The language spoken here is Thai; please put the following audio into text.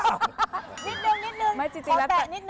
นิดนึง